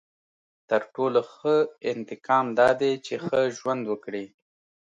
• تر ټولو ښه انتقام دا دی چې ښه ژوند وکړې.